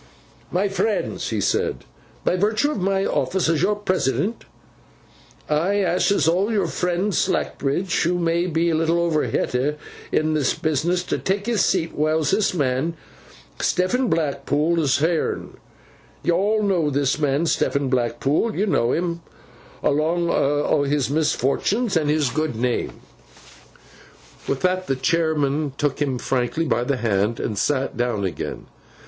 'My friends,' said he, 'by virtue o' my office as your president, I askes o' our friend Slackbridge, who may be a little over hetter in this business, to take his seat, whiles this man Stephen Blackpool is heern. You all know this man Stephen Blackpool. You know him awlung o' his misfort'ns, and his good name.' With that, the chairman shook him frankly by the hand, and sat down again.